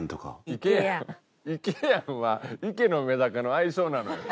「いけやん」は池乃めだかの愛称なのよ。